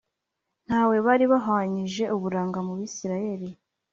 Nta we bari bahwanyije uburanga mu Bisirayeli